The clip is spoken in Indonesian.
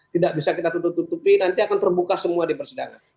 tidak bisa kita tutup tutupi nanti akan terbuka semua di persidangan